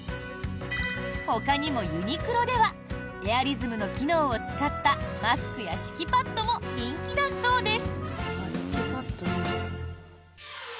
ほかにもユニクロではエアリズムの機能を使ったマスクや敷きパッドも人気だそうです。